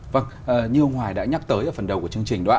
vâng như ông hoài đã nhắc tới ở phần đầu của chương trình đó ạ